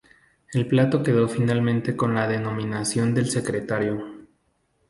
El plato quedó finalmente con la denominación del secretario.